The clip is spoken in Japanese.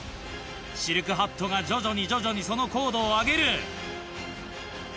シルクハットが徐々に徐々にその高度を上げる。